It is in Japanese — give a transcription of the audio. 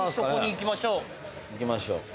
行きましょう。